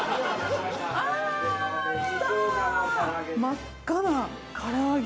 真っ赤な唐揚げ。